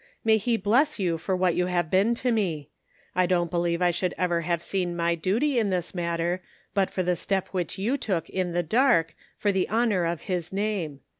May he bless you for what you have been to me. I don't believe I should ever have seen my duty in this matter, but for the step which you took in the dark, for the honor of his name.